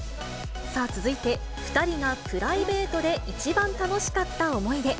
さあ、続いて２人がプライベートで一番楽しかった思い出。